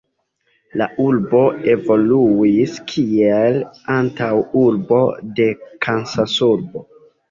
La urbo evoluis kiel antaŭurbo de Kansasurbo.